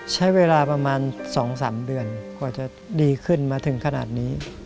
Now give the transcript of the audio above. ใช้เวลาประมาณ๒๓เดือนกว่าจะดีขึ้นมาถึงขนาดนี้